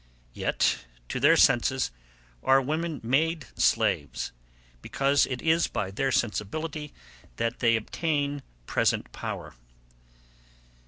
Yet, to their senses, are women made slaves, because it is by their sensibility that they obtain present power.